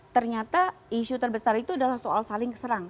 ternyata isu terbesar itu adalah soal saling serang